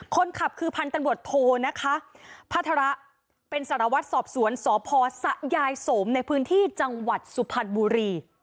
คนขับคือพันธุ์ตำรวจโทนะคะพัฒระเป็นสารวัตรสอบสวนสพสะยายสมในพื้นที่จังหวัดสุพรรณบุรี